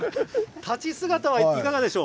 立ち姿はいかがでしょう。